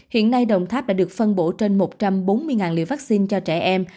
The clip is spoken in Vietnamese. hiện nay đồng tháp đã được phân bổ trên một trăm bốn mươi liều vaccine cho trẻ em